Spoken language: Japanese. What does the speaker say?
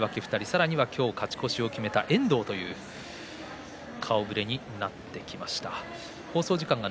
さらに、今日勝ち越しを決めた遠藤という顔ぶれになってきました。